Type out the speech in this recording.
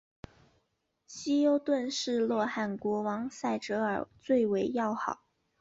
希优顿是洛汗国王塞哲尔最为要好。